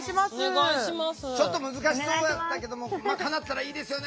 ちょっと難しそうやったけどもかなったらいいですよね。